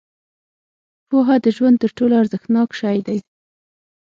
• پوهه د ژوند تر ټولو ارزښتناک شی دی.